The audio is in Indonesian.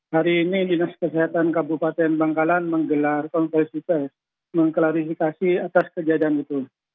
hari ini dinas kesehatan kabupaten bangkalan menggelar konversi pes mengklarifikasi atas kejadian itu